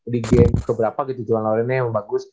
di game keberapa gitu juan lorennya emang bagus